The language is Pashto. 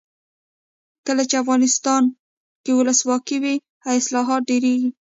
کله چې افغانستان کې ولسواکي وي حاصلات ډیریږي.